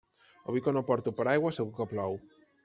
Avui que no porto paraigua segur que plou.